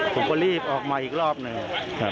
ผมก็รีบออกมาอีกรอบหนึ่ง